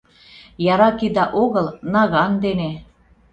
Яра кида огыл — наган дене.